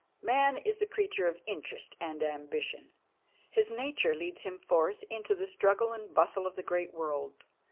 Man is the creature of interest and ambition. His nature leads him forth into the struggle and bustle of the great world.